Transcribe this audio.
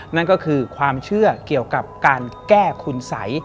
นั่นก็คือความเชื่อเกี่ยวกับการแก้คุณสัย